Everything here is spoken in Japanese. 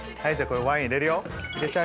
ワイン入れるよ。